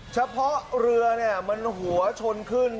เฉพาะเรือเนี่ยมันหัวชนขึ้น